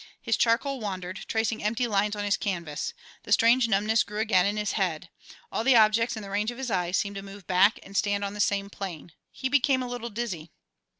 His charcoal wandered, tracing empty lines on his canvas, the strange numbness grew again in his head. All the objects in the range of his eyes seemed to move back and stand on the same plane. He became a little dizzy.